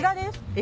え？